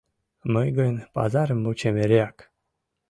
Мый гын пазарым вучем эреак.